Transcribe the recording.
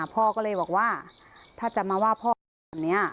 พ่อก็เลยบอกว่าถ้าจะมาว่าพ่อทำแบบนี้